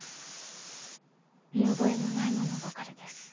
見覚えのないものばかりです